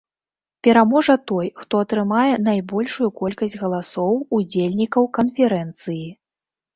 Пераможа той, хто атрымае найбольшую колькасць галасоў удзельнікаў канферэнцыі.